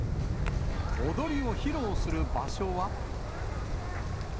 踊りを披露する場所は。